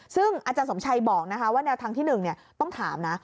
ซึ่งอาจารย์สมชัยบอกว่าแนวทางที่๑ต้องถามนะ